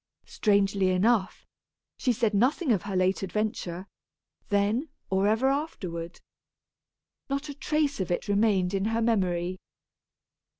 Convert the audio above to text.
Strangely enough, she said nothing of her late adventure, then or ever afterward. Not a trace of it remained in her memory.